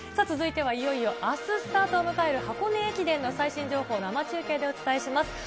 続いてはいよいよあすスタートを迎える箱根駅伝の最新情報、生中継でお伝えします。